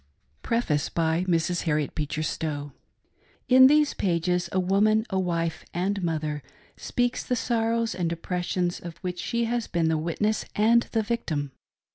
PREFACE BY Mrs. Harriet Beecher Stowe, In these pages, a woman, a wife and mother, speaks the sorrows and oppressions of which she has been the witness and the victim.